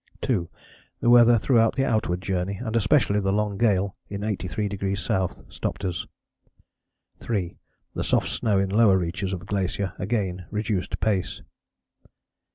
2. The weather throughout the outward journey, and especially the long gale in 83° S., stopped us. 3. The soft snow in lower reaches of glacier again reduced pace.